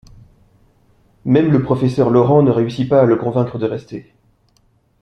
Même le Professeur Laurent ne réussit pas à le convaincre de rester.